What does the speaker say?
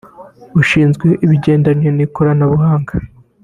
ushinzwe ibigendanye n’ikoranabuhanga